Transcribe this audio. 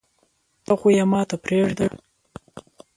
ته خو يي ماته پریږده